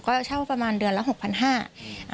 เช่าประมาณเดือนละ๖๕๐๐บาท